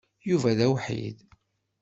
Yuba d awḥid.